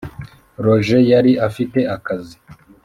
Roger yari afite akazi